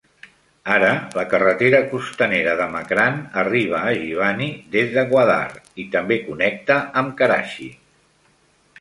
Ara la carretera costanera de Makran arriba a Jiwani des de Gwadar i també connecta amb Karachi.